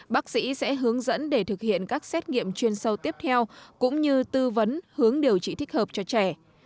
bác sĩ sẽ hướng dẫn để thực hiện các xét nghiệm chuyên sâu tiếp theo cũng như tư vấn hướng điều trị thích hợp cho trẻ